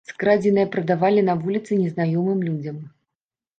Скрадзенае прадавалі на вуліцы незнаёмым людзям.